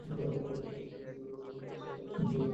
বিদ্রোহীরা মনে করে রাশিয়া তাদের ওপর বিমান হামলা বন্ধ করবে না।